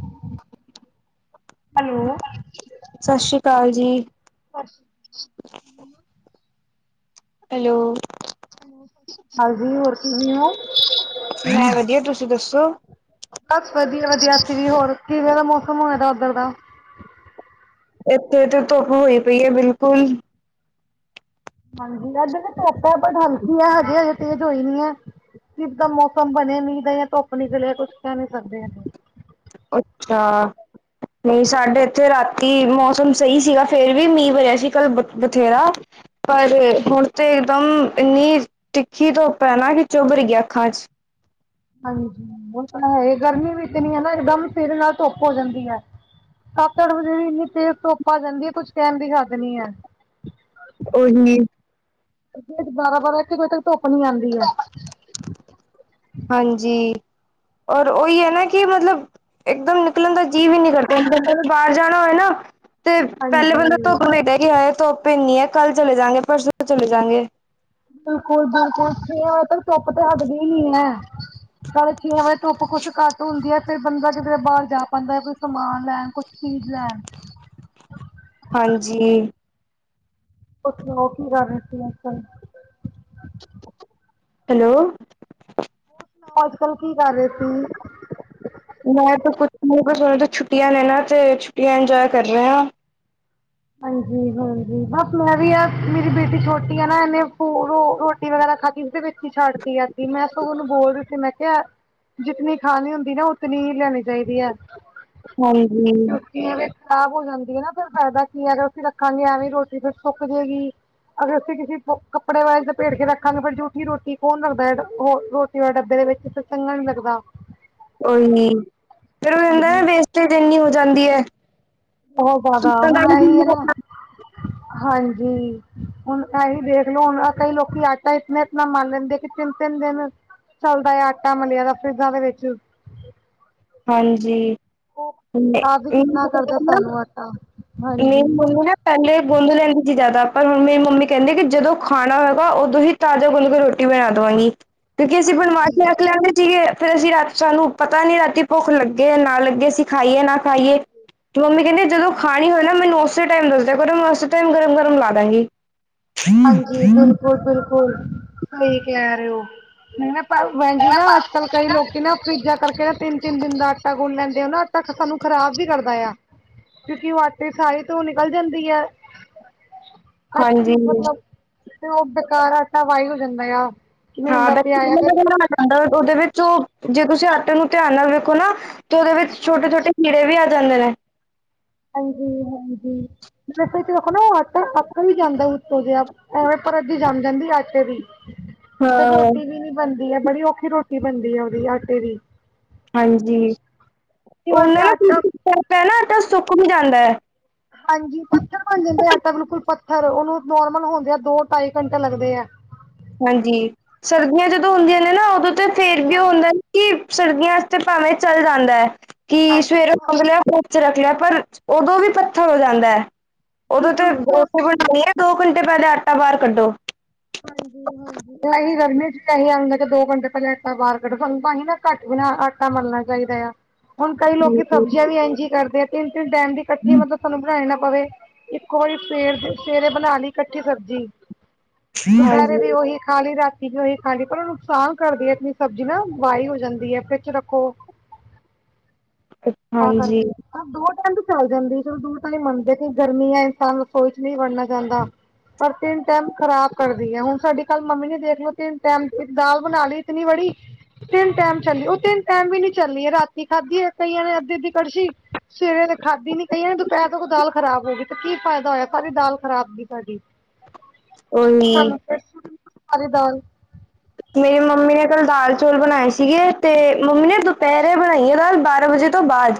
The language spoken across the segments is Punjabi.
[inaudible] ਹੈਲੋ। ਸਤਿ ਸ੍ਰੀ ਅਕਾਲ ਜੀ। ਸਤਿ ਸ਼੍ਰੀ ਅਕਾਲ। ਹੈਲੋ। ਹਾਂਜੀ ਹੋਰ ਕਿਵੇਂ ਔ? ਮੈਂ ਵਧੀਆ, ਤੁਸੀਂ ਦੱਸੋ? ਮੈਂ ਫੀ੍ਰ ਹੋਰ ਕਿਵੇਂ ਦਾ ਮੌਸਮ ਹੋਯਾ ਦਾ ਉਧਰ ਦਾ? ਇੱਥੇ ਤੇ ਧੁੱਪ ਹੋਈ ਪਈ ਹੈ ਬਿਲਕੁਲ। ਹੰਜੀ ਏਥੇ ਤੇ ਧੁੱਪ ਬਟ ਹਲਕੀ ਹੈ ਹਜੇ, ਹਜੇ ਤੇਜ਼ ਹੋਈ ਨੀ ਹੈ। ਕਿ ਪਤਾਂ ਮੌਸਮ ਬਣੇ ਨੀਂ ਤੇ ਧੁੱਪ ਨਿਕਲੇ, ਕੁਛ ਕਹਿ ਨੀ ਸਕਦੇ। ਅੱਛਾ। ਨਹੀਂ ਸਾਡੇ ਇੱਥੇ ਰਾਤੀ ਮੌਸਮ ਸਹੀ ਸੀਗਾ, ਫੇਰ ਵੀ ਮੀਂਹ ਵਰਿਆ ਸੀ ਕੱਲ ਬਥੇਰਾ। ਪਰ ਹੁਣ ਤੇ ਇਕਦਮ ਇੰਨੀ ਤਿੱਖੀ ਧੁੱਪ ਹੈ ਨ ਕਿ ਚੁੱਭ ਰਹੀ ਹੈ ਅੱਖਾਂ ਚ। ਹਾਂਜੀ ਉਹ ਤਾਂ ਹੈ। ਗਰਮੀ ਵੀ ਇਤਨੀ ਹੈ ਨਾ ਇਕਦਮ ਸਵੇਰੇ ਨਾਲ ਧੁੱਪ ਹੋ ਜਾਂਦੀ ਹੈ। ਸੱਤ, ਅਠ ਵਜੇ ਵੀ ਇੰਨੀ ਤੇਜ਼ ਧੁੱਪ ਆ ਜਾਂਦੀ ਹੈ, ਕੁਝ ਕਹਿਣ ਦੀ ਹੱਦ ਨੀ ਏ। ਉਹੀ ਬਾਰਾਂ ਬਾਰਾਂ ਵਜੇ ਤੱਕ ਧੁੱਪ ਨੀ ਆਉਂਦੀ ਐ। ਹਾਂਜੀ। ਔਰ ਉਹੀ ਹੈ ਨਾ ਕਿ ਮਤਲਬ ਇੱਕ ਦਮ ਨਿਕਲਣ ਦਾ ਜੀਅ ਵੀ ਨਹੀਂ ਕਰਦਾ, ਜੇ ਕਦੀ ਬਾਹਰ ਜਾਣਾ ਹੋਏ ਨਾ ਤੇ ਪਹਿਲੇ ਬੰਦਾ ਹਾਂਜੀ। ਧੁੱਪ ਵੇਖਦਾ ਏ ਕਿ ਹਾੱਯ ਧੁੱਪ ਇੰਨੀ ਹੈ, ਕੱਲ ਚਲੇ ਜਾਗੇ, ਪਰਸੋਂ ਚਲੇ ਜਾਗੇ। ਬਿਲਕੁਲ ਬਿਲਕੁਲ, ਛੀਆਂ ਵਜੇ ਤੱਕ ਧੁੱਪ ਤਾਂ ਹਟਦੀ ਹੀ ਨੀ ਹੈ। ਹਾਂ ਛੇ ਵਜੇ ਧੁੱਪ ਕੁੱਛ ਘੱਟ ਹੁੰਦੀ ਐ ਫਿਰ ਬੰਦਾ ਕਿਧਰੇ ਬਾਹਰ ਜਾ ਪਾਉਂਦਾ ਹੈ ਕੋਈ ਸਮਾਨ ਲੈਣ, ਕੁਛ ਚੀਜ਼ ਲੈਣ ਹਾਂਜੀ। ਕੁਛ ਹੋਹ ਕੀ ਰਾਖ ਦਿੱਤੀਆਂ ਸਨ ਹੈਲੋ ਅੱਜ ਕੱਲ ਕੀ ਕਰ ਰਹੇ ਸੀ ਮੈਂ ਤਾਂ ਕੁਛ ਨਹੀ [unintelligible] ਛੁੱਟੀਆਂ ਨੇ ਨਾ ਤੇ ਛੁਟੀਆਂ ਇੰਜੋਏ ਕਰ ਰਹੇ ਹਾਂ। ਹਾਂਜੀ ਹਾਂਜੀ ਬਸ ਮੈਂ ਵੀ ਆ ਮੇਰੀ ਬੇਟੀ ਛੋਟੀ ਆ ਨਾ ਇਹਨੇ ਰੋਟੀ ਵਗੈਰਾ। ਖਾਤੀ ਦੇ ਵਿੱਚ ਹੀ ਛੱਡਤੀ ਐਗੀ, ਮੈਂ ਸਗੋਂ ਉਹਨੂ ਬੋਲ ਰਹੀ ਸੀ ਮੈਂ ਜਿੱਤਨੀ ਖਾਣੀ ਹੁੰਦੀ ਨਾ, ਉਤਨੀ ਹੀ ਲੈਣੀ ਚਾਹੀਦੀ ਹੈ। ਹਾਂਜੀ। ਐਵੇਂ ਖ਼ਰਾਬ ਹੋ ਜਾਂਦੀ ਹੈ ਨਾ, ਫੇਰ ਫਾਇਦਾ ਕੀ ਹੈ। ਅਸੀਂ ਰੱਖਾਂਗੇ ਐਵੇਂ ਰੋਟੀ ਫਿਰ ਸੁੱਕ ਜੇਗੀ ਅਗਰ ਅਸੀੇ ਕਿਸੀ ਕੱਪੜੇ ਵਿਚ ਲਪੇਟ ਕੇ ਰੱਖਾਂਗੇ ਪਰ ਜੂਠੀ ਰੋਟੀ ਕੌਣ ਰਖਦਾ ਏ ਨਾ ਰੋਟੀ ਵਾਲੇ ਡੱਬੇ ਚ ਵਿੱਚ ਤਾਂ ਚੰਗਾ ਨੀ ਲੱਗਦਾ। ਕੋਈ ਨੀ, ਫਿਰ ਏਦਾਂ ਏ ਹਾਂਜੀ। ਵੇਸਟੇਜ ਇੰਨੀ ਹੋ ਜਾਂਦੀ ਹੈ। ਬੋਹਤ ਜ਼ਿਆਦਾ, ਹੁਣ ਏਹੀ ਏ ਨਾ ਹਾਂਜੀ ਹੁਣ ਏਹੀ ਦੇਖਲੋ ਹੁਣ ਕਈ ਲੋਕੀ ਆਟਾ ਇਤਨਾ ਇਤਨਾ ਮਕ ਲੈਂਦੇ ਕਿ ਤਿੰਨ ਤਿੰਨ ਦਿਨ ਚਲਦਾ ਆ ਆਟਾ ਮਲਿਆ ਦਾ, ਫਰਿਜਾਂ ਦੇ ਵਿੱਚ ਹਾਂਜੀ। ਉਹ ਖ਼ਰਾਬ ਵੀ ਕਿਤਨਾ ਕਰਦਾ ਸਾਨੂੰ ਆਟਾ ਨਹੀਂ ਹਾਂਜੀ। ੳਹਨੁ ਨਾ ਪਹਿਲੇ ਗੂਂਦ ਲੈਂਦੀ ਸੀ ਜਿਆਦਾ ਪਰ ਹੁਣ ਮੇਰੀ ਮੰਮੀ ਕਹਿੰਦੀ ਕਿ ਜਦੋਂ ਖਾਣਾ ਹੋਏਗਾ, ਉਦੋਂ ਹੀ ਤਾਜ਼ਾ ਗੁਨ ਕੇ ਰੋਟੀ ਬਣਾ ਦੇਵਾਂਗੀ। ਕਿਉਂਕਿ ਅਸੀਂ ਬਣਵਾ ਹਾਂਜੀ। ਕੇ ਰੱਖ ਲੈਂਦੇ ਸੀਗੇ ਫ਼ਿਰ ਅਸੀਂ ਰਾਤ ਸਾਨੂੰ ਪਤਾ ਨੀ ਰਾਤੀ ਭੁੱਖ ਲੱਗੇ ਯਾ ਨਾ ਲੱਗੇ। ਅਸੀ ਖਾਈਏ ਨਾ ਖਾਈਏ, ਤੇ ਮੰਮੀ ਕਹਿੰਦੀ ਜਦੋਂ ਖਾ ਖਾਨੀ ਹੋਵੇ ਨਾ ਮੈਨੂੰ ਉਸੇ ਟਾਈਮ ਦੱਸਦਿਆ ਕਰੋ, ਮੈਂ ਉਸੇ ਟਾਈਮ ਗਰਮ ਗਰਮ ਲਾ ਦਾਂਗੀ। ਹਾਂਜੀ ਬਿਲਕੁਲ ਬਿਲਕੁਲ, ਸਹੀ ਕਹਿ ਰਹੇ ਹੋ ।ਨਹੀਂ ਨਾ ਭੈਣ ਜੀ ਨਾ ਅੱਜ ਕੱਲ ਕਈ ਲੋਕੀ ਨਾ ਫਰਿਜਾਂ ਕਰਕੇ ਨਾ ਤਿੰਨ ਤਿੰਨ ਦਿਨ ਦਾ ਆਟਾ ਗੁਣ ਲੈਂਦੇ ਹੈ ਨਾ ਆਟਾ ਕਿ ਸਾਨੂੰ ਖਰਾਬ ਵੀ ਕਰਦਾ ਆ। ਕਿਉਂਕਿ ਉਹ ਆਟੇ ਸਾਰੇ ਤੋਂ ਨਿਕਲ ਜਾਂਦੀ ਹੈ ਅੱਛੀ ਹਾਂਜੀ ਤੇ ਉਹ ਬੇਕਾਰ ਆਟਾ ਵਾਈ ਹੋ ਜਾਂਦਾ ਆ ਕਿਵੇਂ ਹਾਂ ਹੁੰਦਾ ਬੈ ਪਿਆ ਆ ਫਿਰ ਬਣਾਣਾ ਜਾਂਦਾ ਉਹਦੇ ਵਿੱਚ ਉਹ ਜੇ ਤੁਸੀਂ ਆਟੇ ਨੂੰ ਧਿਆਨ ਨਾਲ ਵੇਖੋ ਨਾ ਤੇ ਉਹਦੇ ਵਿੱਚ ਛੋਟੇ ਛੋਟੇ ਕੀੜੇ ਵੀ ਆ ਜਾਂਦੇ ਨੇ। ਹਾਂਜੀ ਹਾਂਜੀ। ਦੇਖੋ ਨਾ ਆਟੇ ਅਕ ਵੀ ਜਾਂਦਾ ਉੱਤੋਂ ਜਿਹਾ ਐ ਪਰਤ ਜਿਹੀ ਜੰਮ ਜਾਂਦੀ ਆਟੇ ਦੀ ਤੇ ਹਾਂ ਰੋਟੀ ਵੀ ਨੀ ਬਣਦੀ ਹੈ ਬੜੀ ਔਖੀ ਰੋਟੀ ਬਣਦੀ ਹੈ ਉਹਦੀ ਆਟੇ ਦੀ ਹਾਂਜੀ ਕਈ ਵਾਰ ਤੇ ਉਹਨਾਂ ਨਾ ਆਟਾ [unintelligible] ਹੈ ਨਾ ਤਾਂ ਸੁੱਕ ਵੀ ਜਾਂਦਾ ਹੈ। ਹਾਂਜੀ ਪੱਥਰ ਬਣ ਜਾਂਦੇ ਆਟਾ ਬਿਲਕੁਲ ਪੱਥਰ ਉਹਨੂੰ ਨੋਰਮਲ ਹੁੰਦੇ ਆ ਦੋ ਢਾਈ ਘੰਟੇ ਲੱਗਦੇ ਆ। ਹਾਂਜੀ ਸਰਦੀਆਂ ਜਦੋਂ ਹੁੰਦੀਆਂ ਨੇ ਨਾ ਉਦੋਂ ਤਾਂ ਫੇਰ ਵੀ ਉਹ ਹਾਂਜੀ ਹੁੰਦਾ ਕਿ ਸਰਦੀਆਂ ਤੇ ਭਾਵੇਂ ਚੱਲ ਜਾਂਦਾ ਐ ਕਿ ਹਾਂਜੀ ਸਵੇਰੇ ਗੁੰਦ ਲਿਆ ਹਾਂਜੀ ਧੁੱਪ ਚ ਰੱਖ ਲਿਆ। ਪਰ ਉਦੋਂ ਵੀ ਪੱਥਰ ਹੋ ਜਾਂਦਾ ਐ ਉਦੋਂ ਤੇ ਰੋਟੀ ਬਣਾਣੀ ਏ ਦੋ ਘੰ ਪਹਿਲੇ ਆਟਾ ਬਾਹਰ ਕੱਢੋ। ਹਾਂਜੀ। ਹਾਂਜੀ ਮੈਂ ਏਹੀ ਗਰਮੀ ਚ ਇਹੀ [unintelligible] ਦੋ ਘੰਟੇ ਪਹਿਲੇ ਆਟਾਂ ਬਾਹਰ ਕੱਢੋ ਤੁਆਨੁ ਤਾਂਹੀ ਨਾ ਘੱਟ ਵੀ ਨਾ ਆਟਾ ਮਲਣਾ ਚਾ ਚਾਈਦਾ ਆ ਹੁਣ ਕਈ ਲੋਕੀ ਸਬਜ਼ੀਆਂ ਵੀ ਇੰਝ ਈ ਕਰਦੇ ਆ ਤਿੰਨ-ਤਿੰਨ ਟੈਮ ਦੀ ਕੱਠੀ ਮਤਲਬ ਸਾਨੂੰ ਬਣਾਣੀ ਨਾ ਪਵੇ ਇੱਕੋ ਵਾਰੀ ਸਵੇਰ ਸਵੇਰੇ ਬਣਾ ਲਈ ਕੱਠੀ ਸਬਜੀ ਦੁਪਹਿਰੇ ਹਾਂਜੀ ਵੀ ਉਹੀ ਖਾ ਲਈ ਠੀਕ ਉਹੀ ਖਾਂਦੀ ਪਰ ਨੁਕਸਾਨ ਕਰਦੀ ਐ ਇਤਣੀ ਸਬਜ਼ੀ ਨਾ ਵਾਈ ਹੋ ਜਾਂਦੀ ਐ ਫਰਿੱਜ ਚ ਰੱਖੋ ਆ ਹਾਂਜੀ ਕਰਕੇ ਅ ਦੋ ਟਾਈਮ ਚੱਲ ਜਾਂਦੀ ਚਲੋ ਦੂਰ ਤਾਂ ਹੀ ਮੰਨਦੇ ਕਿ ਗਰਮੀ ਐ ਇਨਸਾਨ ਰਸੋਈ ਚ ਨਈ ਵੜਨਾ ਚਾਂਦਾ। ਪਰ ਤਿੰਨ ਟਾਈਮ ਖਰਾਬ ਕਰਦੀ ਐ ਹੁਣ ਸਾਡੀ ਕੱਲ ਮੰਮੀ ਨੇ ਦੇਖ ਲਓ ਤਿੰਨ ਟੈਮ ਦੀ ਦਾਲ ਬਣਾ ਲਈ ਇਤਨੀ ਵੜੀ ਤਿੰਨ ਟਾਈਮ ਚੱਲੀ ਉਹ ਤਿੰਨ ਟਾਈਮ ਵੀ ਨੀ ਚੱਲੀ ਏ ਰਾਤੀ ਖਾਧੀ ਏ ਕਈਆਂ ਨੇ ਅੱਧੀ-ਅੱਧੀ ਕੜਸ਼ੀ ਸਵੇਰੇ ਤੇ ਖਾਧੀ ਨੀ ਕਈਆਂ ਨੇ ਦੁਪਹਿਰ ਤੋਂ ਕੋ ਦਾਲ ਖਰਾਬ ਹੋ ਗਈ ਤੇ ਕੀ ਫਾਇਦਾ ਹੋਇਆ ਸਾਰੀ ਦਾਲ ਖਰਾਬ ਗਈ ਸਾਡੀ। [inaudible] ਓਹੀ। ਅਰੇ ਦਾਲ ਮੇਰੀ ਮੰਮੀ ਨੇ ਕੱਲ ਦਾਲ ਚੌਲ ਬਣਾਏ ਸੀਗੇ ਤੇ ਮੰਮੀ ਨੇ ਦੁਪਹਿਰੇ ਬਣਾਈ ਆ ਦਾਲ ਬਾਰਾਂ ਵਜੇ ਤੋਂ ਬਾਅਦ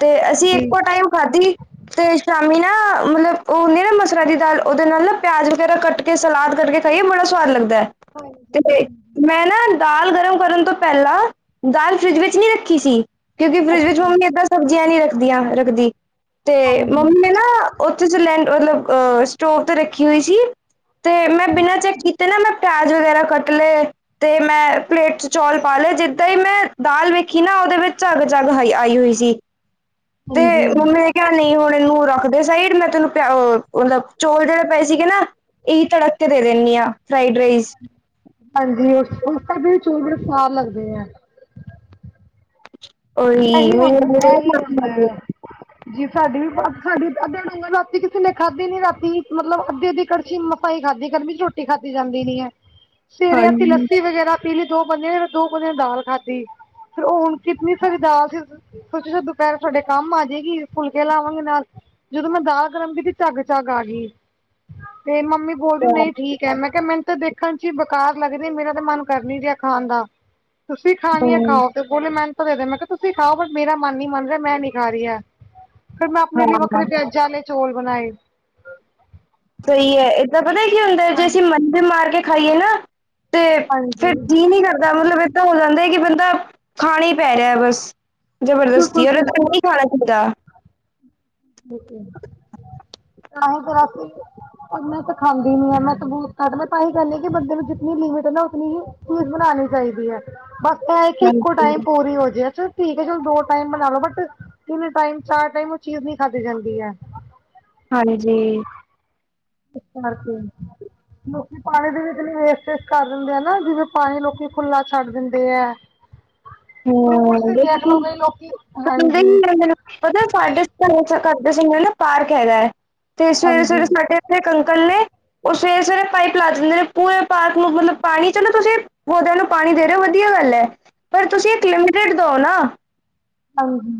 ਤੇ ਅਸੀਂ ਹਾਂਜੀ ਇੱਕੋ ਟਾਈਮ ਖਾਧੀ ਤੇ ਸ਼ਾਮੀ ਨਾ ਮਤਲਬ [inaudible] ਉਹ ਹੁੰਦੀ ਨਾ ਮਸਰਾਂ ਦੀ ਦਾਲ ਉਹਦੇ ਨਾਲ ਨਾ ਪਿਆਜ ਵਗੈਰਾ ਕੱਟ ਕੇ, ਸਲਾਦ ਕਰਕੇ ਖਾਈਏ ਬੜਾ ਸਵਾਦ ਲੱਗਦਾ। ਹੈ ਹਾਂਜੀ। [unintelligible] ਹਾਂਜੀ ਮੈਂ ਨਾ ਦਾਲ ਗਰਮ ਕਰਨ ਤੋਂ ਪਹਿਲਾਂ ਦਾਲ ਫਰਿਜ ਵਿੱਚ ਨੀ ਰੱਖੀ ਸੀ। ਕਿਉਂਕਿ ਫਰਿੱਜ ਵਿੱਚ ਮੰਮੀ ਅੱਛਾ ਏਦਾਂ ਸਬਜ਼ੀਆਂ ਨਈ ਰੱਖਦੀਆਂ ਰੱਖਦੀ। ਤੇ ਮੰਮੀ ਹਾਂਜੀ ਨੇ ਨਾ ਉੱਥੇ ਜ ਲੈਂ ਮਤਲਬ ਅਹ ਸਟੋਵ ਤੇ ਰੱਖੀ ਹੋਈ ਸੀ। ਤੇ ਮੈਂ ਬਿਨਾਂ ਚੈੱਕ ਕੀਤੇ ਨਾ ਮੈਂ ਪਿਆਜ ਵਗੈਰਾ ਕੱਟ ਲਏ [inaudible] ਤੇ ਮੈਂ ਪਲੇਟ ਚ ਚੌਲ ਪਾ ਲਏ ਜਿੱਦਾਂ ਹੀ ਮੈਂ ਦਾਲ ਵੇਖੀ ਨਾ ਉਹਦੇ ਵਿੱਚ ਝੱਗ ਝੱਗ ਹ ਆਈ ਹੋਈ। ਸੀ ਤੇ ਹਾਂਜੀ ਮੰਮੀ ਨੇ ਕਿਆ ਨਹੀਂ ਹੁਣ ਇਹਨੂੰ ਰੱਖਦੇ ਸਈ ਮੈਂ ਤੈਨੂੰ ਪਿਆ ਅ ਮਤਲਬ ਚੋਲ ਜਿਹੜੇ ਪਏ ਸੀਗੇ ਨਾ ਇਹੀ ਤੜਕ ਕੇ ਦੇ ਦਿੰਦੀ ਆ। ਫਰਾਈਡ ਰਾਈਸ ਹਾਂਜੀ, ਉਸ ਉਸ ਕਰ ਦੇ ਵੀ ਚੌਲ ਬੜੇ ਸੁਆਦ ਲੱਗਦੇ ਐ। ਉਹੀ ਇਹੀ ਹੁੰਦਾ, ਇਹੀ ਹੁੰਦਾ ਹਾਂਜੀ ਆ ਜੀ ਸਾਡੀ ਵੀ ਬ ਸਾਡੀ ਅਧਾ ਡੂੰਗਾ ਰਾਤੀ ਕਿਸੇ ਨੇ ਖਾਧੀ ਨੀ ਰਾਤੀ ਮਤਲਬ ਅੱਧੀ-ਅੱਧੀ ਕੜਛੀ ਮਸਾ ਈ ਖਾਧੀ ਗਰਮੀ ਚ ਰੋਟੀ ਖਾਧੀ ਜਾਂਦੀ ਨੀ ਐ। ਹਾਂ ਸਵੇਰੇ ਅਸੀਂ ਲੱਸੀ ਵਗੈਰਾ ਪੀਲੀ ਦੋ ਬਂਦੇਆ ਫੇਰ ਦੋ ਕੌਲੀਆਂ ਦਾਲ ਖਾਧੀ ਫੇਰ ਉਹ ਹੁਣ ਕਿਤਨੀ ਸਾਰੀ ਦਾਲ ਸੀ ਸੋਚ ਦੁਪਹਿਰ ਤੁਆਡੇ ਕੰਮ ਆ ਜੇਗੀ ਫੁਲਕੇ ਲਾਵਾਂਗੇ ਨਾਲ ਜਦੋਂ ਮੈਂ ਦਾਲ ਦੀ ਝੱਗ ਝੱਗ ਆ ਗੀ ਤੇ ਮੰਮੀ ਬੋਲਦੀ ਨਈ ਠੀਕ ਐ ਮੈਂ ਕਿਆ ਮੈਨੂ ਦੇਖਣ ਚ ਹੀ ਬੇਕਾਰ ਲੱਗਰੀ ਮੇਰਾ ਤਾਂ ਮਨ ਕਰ ਨੀ ਰਿਆ ਖਾਣ ਦਾ। ਤੁਸੀਂ ਖਾਣੀ ਆ ਖਾਓ ਤੇ ਬੋਲੇ ਮੈਂਨੂ ਦੇ ਮੈਂ ਕਿਹਾ ਤੁਸੀਂ ਖਾਓ ਬਟ ਮੇਰਾ ਮਨ ਨੀ ਮੰਨ ਰਿਆ ਮੈਂ ਨੀ ਖਾ ਰਈ ਐ। ਫਿਰ ਮੈਂ ਆਪਣੇ ਲਈ ਵੱਖਰੇ ਪਿਆਜ਼ਾਂ ਆਲੇ ਚੌਲ ਬਣਾਏ। ਸਈ ਐ ਏਦਾਂ ਪਤਾ ਕੀ ਹੁੰਦਾ ਏ ਜੇ ਹਾਂਜੀ ਅਸੀਂ ਮੰਨ ਵੀ ਮਾਰ ਕੇ ਖਾਈਏ ਨਾ ਤੇ ਹਾਂਜੀ ਫੇਰ ਕੀ ਨੀ ਕਰਦਾ ਮਤਲਬ ਇਹ ਤਾਂ ਹੋ ਜਾਂਦਾ ਕਿ ਬੰਦਾ ਖਾਣਾ ਈ ਪੈ ਰਿਆ ਬਸ ਬਿਲਕੁਲ ਜਬਰਦਸਤੀ ਓਰ ਤ ਬਿਲਕੁਲ ਨਹੀਂ ਖਾਣਾ ਚਾਂਦਾ। ਤਾਂਹੀਂ ਫੇਰ ਅਸੀਂ ਮੈਂ ਤਾਂ ਖਾਂਦੀ ਨੀ ਆ ਮੈਂ ਤੇ ਬਹੁਤ ਘਟ ਮੈਂ ਤਾਂਹੀ ਕਹਿੰਦੀ ਕਿ ਬੰਦੇ ਨੂੰ ਜਿਤਨੀ ਲਿਮਿਟ ਏ ਨਾ ਉਤਨੀ ਹੀ ਚੀਜ਼ ਬਣਾ ਚਾਈਦੀ ਐ ਬਸ ਇਹ ਏ ਕਿ ਇੱਕੋ ਹਾਂਜੀ, ਟਾਈਮ ਪੂਰੀ ਹੋ ਜੇ ਅੱਛਾ । ਠੀਕ ਹੈ ਚਲੋ ਦੋ ਟਾਈਮ ਬਣਾ ਲੋ ਬਟ ਤਿੰਨ ਟਾਈਮ, ਚਾਰ ਟਾਈਮ ਉਹ ਚੀਜ਼ ਨੀ ਖਾਧੀ ਜਾਂਦੀ ਹੈ। ਹਾਂਜੀ। [unintelligible] ਲੋਕੀ ਪਾਣੀ ਦੇ ਵਿੱਚ ਨ ਵੇਸਟਸ ਕਰ ਦਿੰਦੇ ਹੈ ਨਾ ਜਿਵੇਂ ਪਾਣੀ ਲੋਕੀ ਖੁੱਲਾ ਛੱਡ ਦਿੰਦੇ ਹੈ। ਹ। [inaudible] [unintelligible] ਹਾਂਜੀ ਪਾਰਕ ਹੈਗਾ ਹੈ ਤੇ ਸਵੇਰੇ-ਸਵੇਰੇ ਸਾਡੇ ਇਥੇ ਹ। ਉਹ ਸਵੇਰੇ-ਸਵੇਰੇ ਪਾਈਪ ਲਾ ਦਿੰਦੇ ਨੇ ਪੂਰੇ ਪਾਰਕ ਨੂੰ ਮਤਲਬ ਪਾਣੀ ਚ ਨਾ ਤੁਸੀਂ ਪੋਦਿਆਂ ਨੂੰ ਪਾਣੀ ਦੇ ਰਹੇ ਹੋ ਵਧੀਆ ਗੱਲ ਹੈ ਪਰ ਤੁਸੀਂ ਇੱਕ ਲਿਮਟਡ ਦਓ ਨਾ। ਹਾਜੀ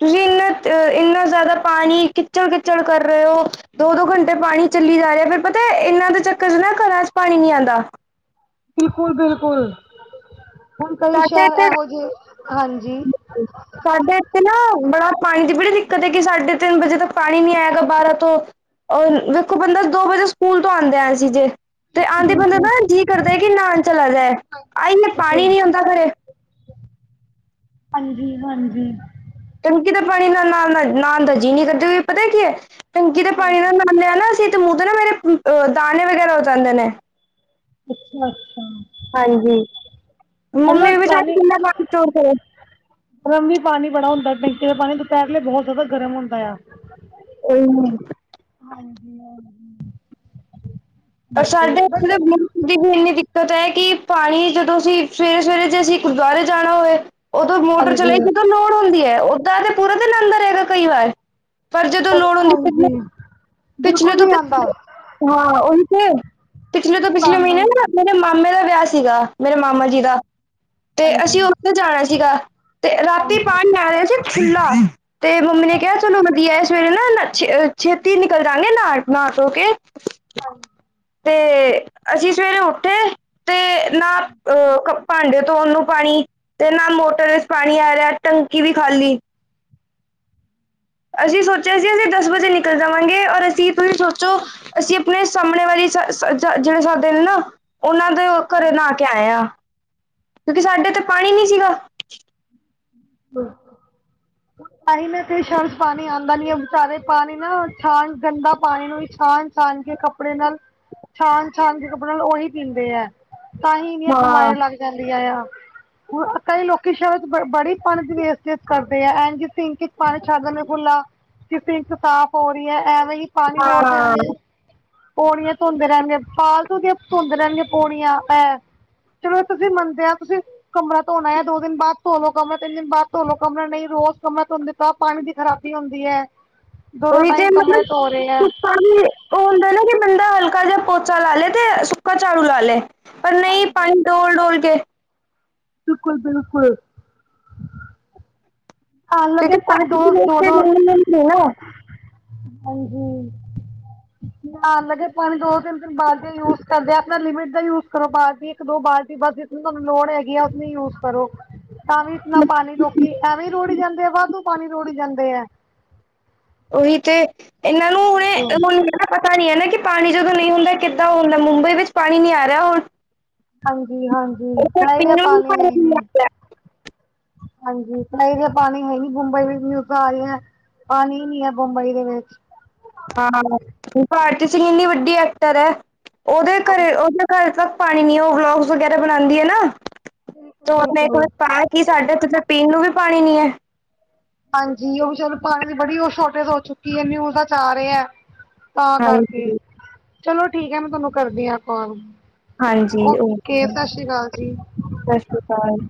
[unintelligible] ਇੰਨਾ ਜਾਦਾ ਪਾਣੀ ਕਿੱਚੜ-ਕਿੱਚੜ ਕਰ ਰਹੇ ਹੋ ਦੋ-ਦੋ ਘੰਟੇ ਪਾਣੀ ਚੱਲੀ ਜਾ ਰਿਹਾ ਫਿਰ ਇਨਾ ਦੇ ਚੱਕਰ ਚ ਨਾ ਘਰਾਂ ਚ ਪਾਣੀ ਨੀ ਆਂਦਾ। ਬਿਲਕੁਲ-ਬਿਲਕੁਲ। ਸਾਡੇ ਇੱਥੇ ਹਾਂਜੀ ਸਾਡੇ ਇੱਥੇ ਨਾ ਬੜਾ ਪਾਣੀ ਦੀ ਬੜੀ ਦਿੱਕਤ ਹੈ ਕਿ ਸਾਢੇ ਤਿੰਨ ਵਜੇ ਤੱਕ ਪਾਣੀ ਨੀ ਆਇਗਾ ਬਾਹਰਾਂ ਤੋਂ ਔਰ ਵੇਖੋ ਬੰਦਾ ਦੋ ਵਜੇ ਸਕੂਲ ਤੋ ਆਂਦਾ ਸੀ ਜੇ ਤੇ ਆਦੇ ਬੰਦਾ ਬਿਲਕੁਲ ਨਾ ਜੀਅ ਕਰਦਾ ਕਿ ਨਾਨ ਚਲਾ ਜਾਏ, ਪਾਣੀ ਨੀ ਹ। ਹਾਂਜੀ-ਹਾਂਜੀ। ਟੰਕੀ ਦਾ ਪਾਣੀ ਨਾਲ ਨਾਣ ਦਾ ਜੀ ਨੀ ਕਰਦਾ ਪਤਾ ਕੀ ਹੈ। ਟੰਕੀ ਦੇ ਪਾਣੀ ਦਾ ਹਾਂਜੀ ਨ ਲਿਆ ਨਾ ਅਸੀਂ ਤੇ ਮੂੰਹ ਤੇ ਨਾ ਮੇਰੇ ਅ ਦਾਣੇ ਵਗੈਰਾ ਓ ਜਾਂਦੇ ਨੇ। [unintelligible] ਹਾਂਜੀ ਪਹਿਲਾਂ ਮੰਮੀ ਵੀ ਸਾਡੀ ਪਾਣੀ ਕਿੰਨਾ [inaudible] ਗਰਮ ਵੀ ਪਾਣੀ ਬੜਾ ਹੁੰਦਾ ਟੈਂਕੀ ਦਾ ਪਾਣੀ ਦੁਪਹਿਰਲੇ ਬਹੁਤ ਜ਼ਿਆਦਾ ਗਰਮ ਹੁੰਦਾ ਆ। ਉਹੀ ਨਾ। ਹਾਂਜੀ-ਹਾਂਜੀ ਪਰ ਸਾਡੇ [inaudible] ਪਤਾ ਹੈ ਕਿ ਪਾਣੀ ਜਦੋਂ ਅਸੀਂ ਸਵੇਰੇ-ਸਵੇਰੇ ਜੇ ਅਸੀਂ ਗੁਰਦੁਆਰੇ ਜਾਣਾ ਹੋਏ ਉਦੋਂ ਮੋਟਰ ਚਲੇ ਹਾਂਜੀ ਉਦ ਲੋੋੜ ਹੁੰਦੀ ਹੈ ਓਦਾਂ ਤੇ ਪੂਰਾ ਦਿਨ ਅੰਦਰ ਹੈਗਾ ਕਈ ਵਾਰ। ਪਰ ਜਦੋਂ ਲੋੜ ਹਉਂਦੀ ਹਾਂਜੀ [inaudible] ਪਿਛਲੇ ਬਿਲਕੁਲ ਤੋਂ ਨਹੀਂ ਆਂਦਾ ਹਾਂ ਉਹ ਪਿਛਲੇ ਤੋਂ ਪਿਛਲੇ ਆਂਦਾ ਮਹੀਨੇ ਨਾ ਮੇਰੇ ਮਾਮੇ ਦਾ ਵਿਆਹ ਸੀਗਾ ਮੇਰੇ ਮਾਮਾ ਜੀ ਦਾ। ਤੇ ਅਸੀਂ ਉੱਥੇ ਜਾਣਾ ਸੀਗਾ। ਤੇ ਰਾਤੀ ਪਾਣੀ ਲ ਰਿਹਾ ਸੀ ਖੁਲਾ ਤੇ ਮੰਮੀ ਨੇ ਕਿਹਾ ਚਲੋ ਵਧੀਆ ਸਵੇਰੇ ਨਾ ਛੇ ਛੇਤੀ ਨਿਕਲ ਜਾਗੇ ਨਾ ਨਾਧੋ ਕੇ। ਹਮ। ਤੇ ਅਸੀਂ ਸਵੇਰੇ ਉੱਠੇ ਤੇ ਨਾ ਅਹ ਭਾਂਡੇ ਧੋਣ ਨੂੰ ਪਾਣੀ ਤੇ ਨਾ ਮੋਟਰ ਵਿੱਚ ਪਾਣੀ ਆ ਰਿਹਾ ਟੰਕੀ ਵੀ ਖਾਲੀ। ਅਸੀਂ ਸੋਚਿਆ ਸੀ ਅਸੀਂ ਦਸ ਵਜੇ ਨਿਕਲ ਜਾਵਾਂਗੇ ਔਰ ਅਸੀਂ ਤੁਸੀਂ ਸੋਚੋ ਅਸੀਂ ਆਪਣੇ ਸਾਹਮਣੇ ਵਾਲੀ ਜਿਹੜੇ ਸਾਡੇ ਨੇ ਨਾ ਉਹਨਾਂ ਦੇ ਘਰੇ ਨਹਾ ਕੇ ਛੋਟੀ ਆਏ ਆ। ਕਿਉਂਕਿ ਸਾਡੇ ਤੇ ਪਾਣੀ ਨੀ ਸੀਗਾ। [unintelligible] ਅਸੀ ਨਾ [unintelligible] ਪਾਣੀ ਆਉਂਦਾ ਨੀ ਆ ਵਿਚ ਸਾਰੇ ਪਾਣੀ ਨਾ ਛਾਨ ਗੰਦਾ ਪਾਣੀ ਨੂੰ ਵੀ ਛਾਨ ਛਾਨ ਕੇ ਕੱਪੜੇ ਨਾਲ ਛਾਨ-ਛਾਨ ਕੇ ਕੱਪੜੇ ਨਾਲ ਓਹੀ ਪੀਂਦੇ ਐ। ਤਾਹੀ ਇਨੀ ਹਾਂ ਬਿਮਾਰੀਆਂ ਲੱਗ ਜਾਂਦੀਆਂ ਆ ਕਈ ਲੋਕੀ ਸ਼ਰਤ ਬ ਬੜੀ ਪਾਣੀ ਦੀ ਵੇਸਟੇਜ ਕਰਦੇ ਆ ਐਂਜ ਸਿਂਕ ਇਚ ਪਾਣੀ ਛਡ ਦੇਂਦੇ ਖੁਲਾ। ਕਿ ਸਿਂਕ ਸਾਫ਼ ਹੋ ਰਹੀ ਹੈ ਐਵੇਂ ਹੀ ਪਾਣੀ ਰੋੜ ਹਾਂ ਦੇਣਗੇ। ਪੌੜੀਆਂ ਧੋਂਦੇ ਰਹਿਣਗੇ ਫਾਲਤੂ ਦੀਆਂ ਧੋਂਦੇ ਰਹਿਣਗੇ ਪੌੜੀਆਂ ਐ। ਚਲੋ ਤੁਸੀ ਮੰਨਦੇ ਆ ਤੁਸੀ ਕਮਰਾ ਧੋਣਾ ਐ ਦੋ ਦਿਨ ਬਾਅਦ ਧੋ ਲੋ। ਕਮਰਾ ਤਿੰਨ ਦਿਨ ਬਾਦ ਧੋਲੋ ਕਮਰਾ ਨਈ ਰੋਜ਼ ਕਮਰਾ ਧੋਂਦੇ ਤਾ ਪਾਣੀ ਦੀ ਖਰਾਬੀ ਹੁੰਦੀ ਐ। ਓਹੀ ਤੇ ਮਤਲਬ ਵੀ ਪਾਣੀ ਓ ਹੁੰਦਾ ਨਾ ਕਿ ਬੰਦਾ ਹਲਕਾ ਜਾ ਪੋਚਾ ਲਾ ਲਏ ਤੇ ਸੁੱਕਾ ਝਾੜੂ ਲਾ ਲੇ। ਪਰ ਨਹੀਂ ਹਾਂਜੀ ਪਾਣੀ ਡੋਲ ਡੋਲ ਕੇ ਬਿਲਕੁਲ ਬਿਲਕੁਲ। ਆਉਣ ਲੱਗੇ ਪਾਣੀ ਦੋ ਦੋ [inaudible] ਦੋ [inaudible] ਹਾਂਜੀ। ਆਣ ਲੱਗੇ ਪਾਣੀ ਦੋ ਤਿੰਨ ਤਿੰਨ ਬਾਲਟੀਆਂ ਯੂਜ ਕਰਦੇ ਆਪਣਾ ਲਿਮਿਟ ਦਾ ਯੂਜ ਕਰੋ ਬਾਲਟੀ ਇੱਕ ਦੋ ਬਾਲਟੀ ਬਸ ਤੁਹਾਨੂੰ ਲੋੜ ਹੈਗੀ ਆ ਉਤਨਾ ਈ ਯੂਜ ਕਰੋ। ਤਾਂ ਵੀ ਇਤਨਾ ਪਾਣੀ ਲੋਕੀ ਐਵੇਂ ਈ ਰੋੜੀ ਜਾਂਦੇ ਆ ਵਾਧੂ ਪਾਣੀ ਰੋੜੀ ਜਾਂਦੇ ਐ। ਓਹੀ ਤੇ ਇਹਨਾਂ ਨੂੰ ਹੁਣੇ ਬਿਲਕੁਲ ਹੁਣ ਏਨਾ ਪਤਾ ਨੀ ਹੈ ਨਾ ਕਿ ਪਾਣੀ ਜਦੋਂ ਨਹੀਂ ਹੁੰਦਾ ਕਿੱਦਾਂ ਹੁੰਦਾ ਮੁੰਬਈ ਵਿੱਚ ਪਾਣੀ ਨਹੀ ਆ ਰਿਹਾ ਹੁਣ। [unintelligible] [unintelligible] ਜੀ ਹਾਂਜੀ ਉੱਥੇ ਕਲਾਹੀ ਪੀਣ ਦੀਆਂ ਨੂੰ ਵੀ ਪਾਣੀ ਨਹੀਂ ਹੈਜੀ ਆ ਰਿਹਾ ਹਾਂਜੀ ਕਲਾਹੀ ਦੀਆਂ ਪਾਣੀ ਹੈ ਨੀ ਬੁੰਬਈ ਵਿੱਚ ਨਿਊਜਾਂ ਆ ਰਹੀਆ ਪਾਣੀ ਨੀ ਹੈ ਬੰਬਈ ਦੇ ਵਿੱਚ। ਹਾਂ ਭਾਰਤੀ ਸਿੰਘ ਇੰਨੀ ਵੱਡੀ ਐਕਟਰ ਹੈ। ਓਦੇ ਹਾਂਜੀ ਘਰੇ ਓਹਦੇ ਘਰ ਤੱਕ ਪਾਣੀ ਨੀ ਓ ਵਲੋਗਸ ਵਗੈਰਾ ਬਣਾਂਦੀ ਹੈ ਨਾ। ਬਿਲਕੁਲ ਤੇ ਓਨੇ ਇੱਕ ਵਾਰੀ ਬਿਲਕੁਲ ਪਾਇਆ ਕਿ ਸਾਡੇ ਉਥੇ ਤੇ ਪੀਣ ਨੂੰ ਵੀ ਪਾਣੀ ਨੀ ਹੈ। ਹਾਂਜੀ ਓ ਵੀ ਚਲੋ ਪਾਣੀ ਦੀ ਬੜੀ ਓ ਸ਼ੋਰਟੇਜ ਹੋ ਚੁੱਕੀ ਹੈ ਨਿਊਜਾ਼ ਚ ਆ ਰਿਹਾ ਹੈ। ਤਾਂ ਕਰਕੇ। ਹਾਂਜੀ ਚਲੋ ਠੀਕ ਹੈ ਮੈਂ ਤੁਹਾਨੂੰ ਕਰਦੀ ਆ ਕਾਲ। ਓਕੇ ਸਤਿ ਸ੍ਰੀ ਅਕਾਲ ਜੀ। ਸਤਿ ਸ਼੍ਰੀ ਅਕਾਲ